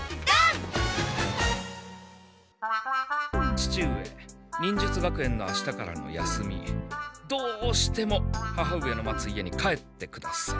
父上忍術学園のあしたからの休みどうしても母上の待つ家に帰ってください。